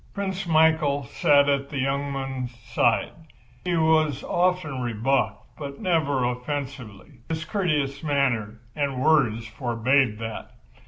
Prince Michael sat at the young man's side. He was often rebuffed but never offensively. His courteous manner and words forbade that.